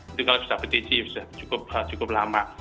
itu kalau bisa petici cukup lama